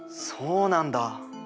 そうなんだ！